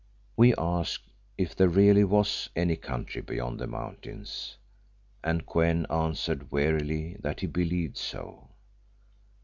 We asked if there really was any country beyond the mountains, and Kou en answered wearily that he believed so.